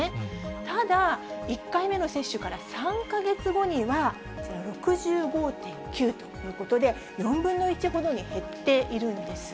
ただ、１回目の接種から３か月後には、こちら、６５．９ということで、４分の１ほどに減っているんです。